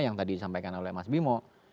yang tadi disampaikan oleh mas bimo